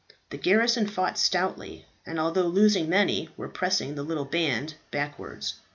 The garrison fought stoutly, and although losing many, were pressing the little band backwards.